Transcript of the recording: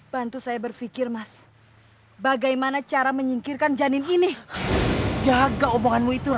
rati saya mencintai kamu hanya dengan cara menikahlah jalan satu satunya untuk menutupi rasa malu itu